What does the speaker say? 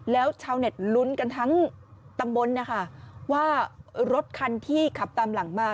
แล้วชาวเน็ตลุ้นกันทั้งตำบลนะคะว่ารถคันที่ขับตามหลังมา